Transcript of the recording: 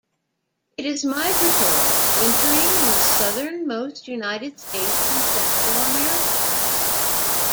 It is migratory, wintering in the southernmost United States and Central America.